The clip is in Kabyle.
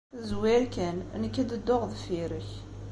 Zwir kan, nekk ad d-dduɣ deffir-ik.